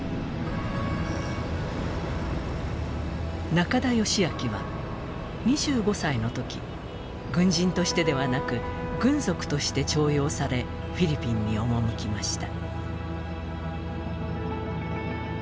中田善秋は、２５歳のとき軍人としてではなく軍属として徴用されフィリピンに赴きました。